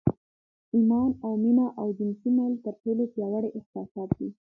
ایمان او مینه او جنسي میل تر ټولو پیاوړي احساسات دي